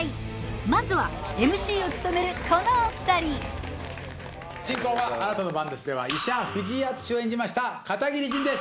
まずはＭＣを務めるこのお２人進行は『あなたの番です』では医者藤井淳史を演じました片桐仁です